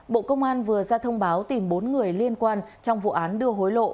bộ công an vừa ra thông báo tìm bốn người liên quan trong vụ án đưa hối lộ